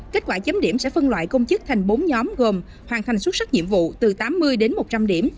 kết quả chấm điểm sẽ phân loại công chức thành bốn nhóm gồm hoàn thành xuất sắc nhiệm vụ từ tám mươi đến một trăm linh điểm